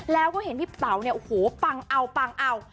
แล้วก็เห็นพี่เป๋าเนี่ยโอ้โหปังเอาปังเอา